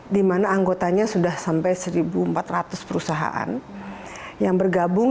di mana anggotanya sudah sampai satu empat ratus perusahaan yang bergabung